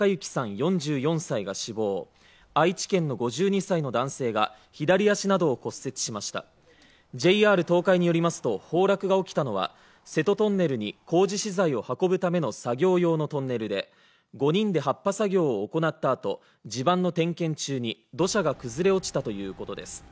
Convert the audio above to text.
４４歳が死亡愛知県の５２歳の男性が左足などを骨折しましたＪＲ東海によりますと崩落が起きたのは瀬戸トンネルに工事資材を運ぶための作業用のトンネルで５人で発破作業を行ったあと地盤の点検中に土砂が崩れ落ちたということです